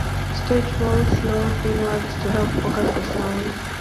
Stage walls slope inward to help focus the sound.